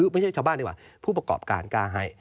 ไม่ใช่ชาวบ้านดีกว่าผู้ประกอบการกล้าให้